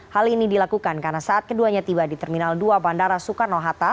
hal ini dilakukan karena saat keduanya tiba di terminal dua bandara soekarno hatta